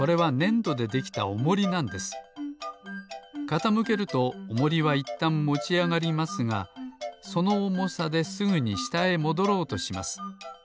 かたむけるとおもりはいったんもちあがりますがそのおもさですぐにしたへもどろうとします。